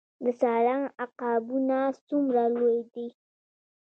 د سالنګ عقابونه څومره لوی دي؟